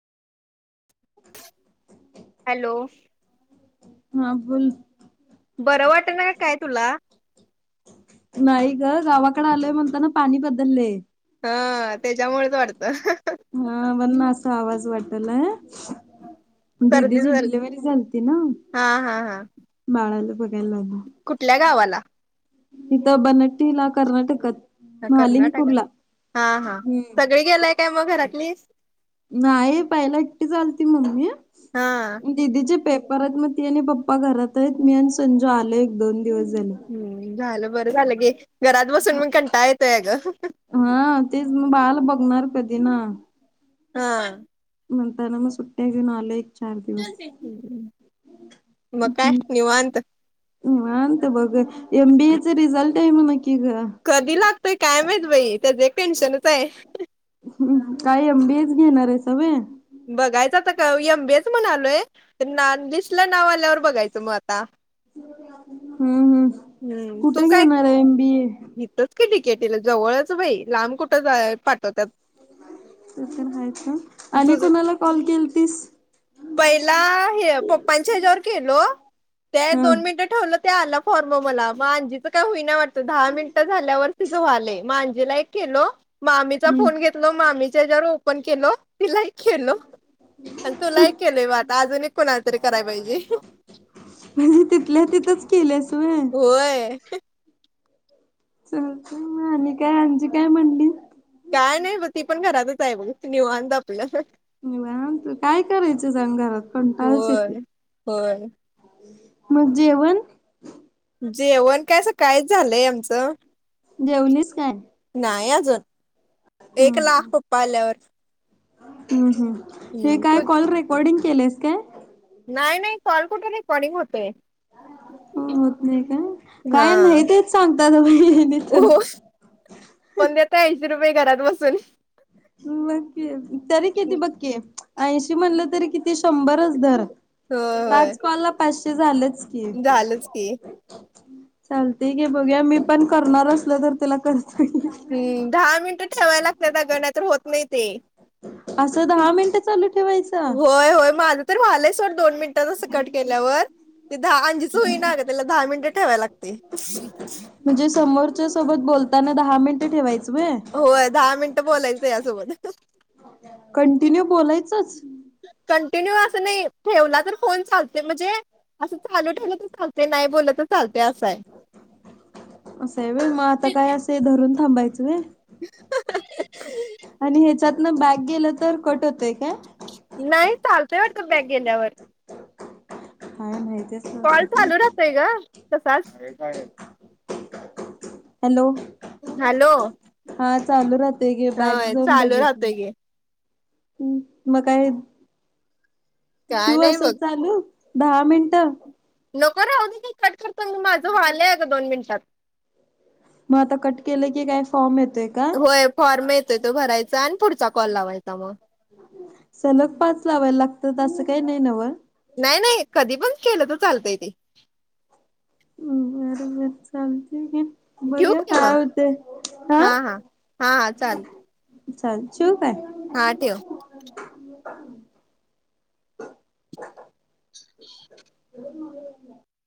Hello हा बोल बरं वाट ना काय तुला नाही ग गावाकडे आलय म्हणता ना पाणी बदललेय हा त्याच्यामुळेच वाटतं हा म्हणून असा [unintelligible] सर्दी दिदीची झाली डिलव्हरी झालती ना हा हा हा बाळाला कुठल्या गावाला तिथं बनट्टीला, कर्नाटकात, हा महालिंगपूरला कर्नाटकांत-हा हा हम्म सगळी गेलाय काय मग घरातली नाही पाहिला एकटीच मम्मी हा दिदीचे पेपर परत मग ती आणि पप्पा घरात आहेत मी आणि संजू आलो एक दोन दिवस झाले हम्म झालं बरं झालं की ् घरात बसून मग कंटाळा येतोय ग ते ना हा म्हणताना मग सुट्टया घेऊन आले ते मग काय निवांत निवांत बघ एम बी एचं रिझल्ट ते म्हणा की ग कधी लागतोय काय माहीत बाई त्याच टेन्शनच आहे ह् काय एमबीए च घेणार आहेसा होय बघायच आता एमबीएच म्हणलोय लिस्ट ला नाव आल्यावर बघायचं मग आता हम्म हम्म कुठे घेणार आहे एम बी ए इथच की डीकेटीला जवळचं बाई लांब कुठं जायचं पाठवतात ते तर आहेच हं. आणि तुझ कुणाला कॉल केलतीस पहिला पप्पांच्या ह्याच्यावर केलो त्या हा दोन मिनिट ठेवलं ते आला फॉर्म मला अंजीच काय होईना वाटत दहा मिनिटं झाल्यावर तिचं व्हालय अंजीला एक केलो मामीचा हम्म फोन घेतलो मामीच्या हेच्यावर पण केलो तिला केलो आणि तुलाही केलोय बग आता अजूनही कुणाला तरी करायला पाहिजे म्हणजे तिथल्या तिथंच केल्यास व्हय होय चालतय आणि काय अंजी काय म्हंटली काय नाही बग ती पण घरातच आहे बघ निवांत आपल तू काय करायचं सांग घरात कंटाळाच येतोेय होय होय मग जेवण जेवण काय सकाळीच झालंय आमचं जेवलीस काय नाही अजून एक ला पप्पा आल्यावर हम् हम् हे हम्म काय तू कॉल रेकॉर्डिंग केलेस काय नाही नाही कॉल कुठ रेकाॅडींग होतय हो होत नाही का हा काय नाही तेच सांग [unintelligible] हो वंद्या ताई ती रुपये घरात बसून ह बघ की तरी किती बघ की ऐंशी म्हणलं तरी किती शंभरच धर होय होय पाच कॉल ला पाचशे ते झालं झालंच की चालतंय घे बघुया मी पण करणार असलो तर तुला कर हम्म दहा मिनटं ठेवाय लागतेत अगं नायतर होत नाही ते असं दहा मिनिटं चालू ठेवायचं होय होय माझं तर व्हालेत तर सोड दोन मिनिटात असं कट केल्यावर ते दा अंजीच होई ना अगं त्याला दहा मिनिटं ठेवाय लागतंय च्या सोबत बोलताना दहा मिनिटं ठेवायचं व्हय होय दहा मिनटं बोलायचं त्यासोबत कन कंटिन्यू बोलायचंच कंटिन्यू असं नाही ठेवला तर फोन चालते म्हणजे असं चालू ठेवलं तर चाल ते नाही बोल्लं तर चालतंय असाय अस हाय व्हय मग आता काय असं धरून थांबायचं व्हय आहे. आणि हेच्यात न बॅक गेलं तर कट होतंय काय? नाही चालतंय वाटतं बॅक गेल्यावर काय माहित कॉल चालू राहतोय गं तसाच हॅलो हॅलो हा चालू राहतोय हा चालू राहतोय गे हम् मग काय काय ठेवू नाही बघ असंच चालू दहा मिनिटं नको राहुदे की कट करतो माझं वालंय ग दोन मिनिटात मग आता कट केलं की काय फॉर्म येत होय फॉर्म येतोय तो भराय चा आणि पुढचा कॉल लावायचा म सलग पाच लावायला लाग त अस काय नाय नव्ह? नाय नाय कधी पण केल तर चालतय ते बर बर चालतय की, ठेऊ बघूया की ग म? काय होतय हा हा हा चालते - चाल ठेवू काय? हा ठेव. [inaudible] [unintelligible]